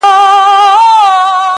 وږی تږی د سل کالو په سل کاله نه مړېږم,